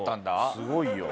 すごいよ。